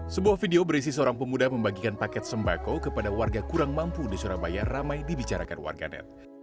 sebuah video berisi seorang pemuda membagikan paket sembako kepada warga kurang mampu di surabaya ramai dibicarakan warganet